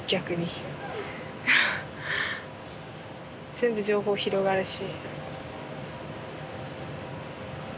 全部情報広がるし。